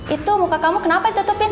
itu muka kamu kenapa ditutupin